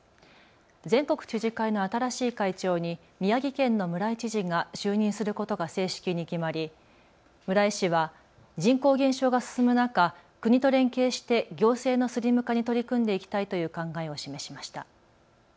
全国知事会の新しい会長に宮城県の村井知事が就任することが正式に決まり村井氏は人口減少が進む中、国と連携して行政のスリム化に取り組んでいきたいという考えを示しました。